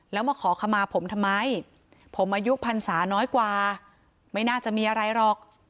แล้วมาขอขมาผมทำไมผมอายุพันศาน้อยกว่าไม่น่าจะมีอะไรหรอก